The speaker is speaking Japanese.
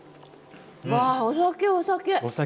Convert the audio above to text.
わあお酒お酒。